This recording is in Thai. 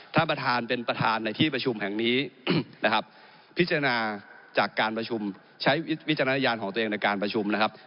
ท่านประธานเป็นประธานในที่ประชุมแห่งนี้นะครับพิจารณาจากการประชุมใช้วิจารณญาณของตัวเองในการประชุมนะครับ